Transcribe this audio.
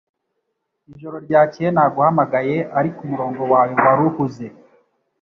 Ijoro ryakeye naguhamagaye ariko umurongo wawe wari uhuze